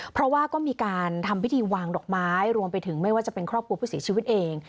เพราะว่าก็มีการทำพิธีวางดอกไม้รวมไปถึงไม่ว่าจะเป็นครอบครัวผู้เสียชีวิตเอง